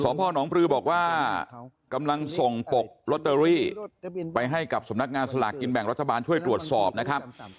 พ่อน้องปลือบอกว่ากำลังส่งปกลอตเตอรี่ไปให้กับสำนักงานสลากกินแบ่งรัฐบาลช่วยตรวจสอบนะครับ